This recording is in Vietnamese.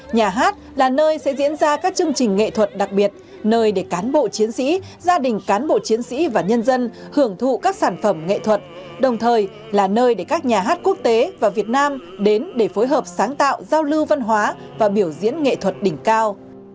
nhà hát là nơi sẽ diễn ra các chương trình nghệ thuật đặc biệt nơi để cán bộ chiến sĩ gia đình cán bộ chiến sĩ và nhân dân hưởng thụ các sản phẩm nghệ thuật đồng thời là nơi để các nhà hát quốc tế và việt nam đến để phối hợp sáng tạo giao lưu văn hóa và biểu diễn nghệ thuật đỉnh cao